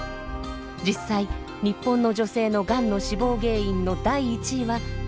実際日本の女性のがんの死亡原因の第１位は大腸がんです。